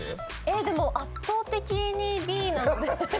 でも、圧倒的にＢなんで。